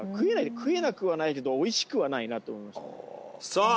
食えなくはないけどおいしくはないなと思いましたさあ